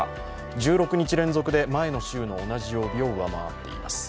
１６日連続で前の週の同じ曜日を上回っています。